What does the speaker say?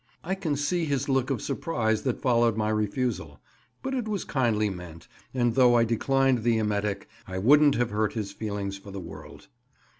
I can see his look of surprise that followed my refusal; but it was kindly meant, and though I declined the emetic, I wouldn't have hurt his feelings for the world.